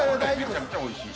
めちゃくちゃおいしい。